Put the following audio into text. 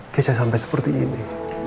keisha sampai seperti ini